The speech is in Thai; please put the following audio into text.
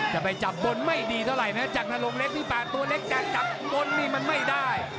แต่ไปจับบนไม่ดีเท่าไหร่นะจากนรงเล็กนี่๘ตัวเล็กแต่จับบนนี่มันไม่ได้